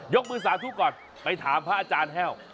กมือสาธุก่อนไปถามพระอาจารย์แห้ว